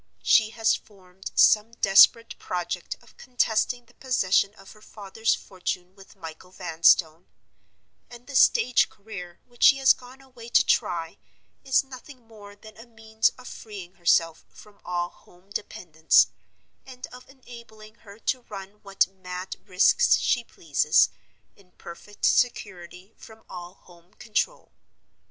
She has formed some desperate project of contesting the possession of her father's fortune with Michael Vanstone; and the stage career which she has gone away to try is nothing more than a means of freeing herself from all home dependence, and of enabling her to run what mad risks she pleases, in perfect security from all home control.